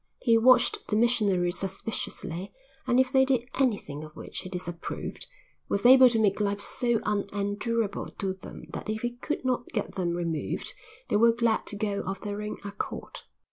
He watched the missionaries suspiciously and, if they did anything of which he disapproved, was able to make life so unendurable to them that if he could not get them removed they were glad to go of their own accord.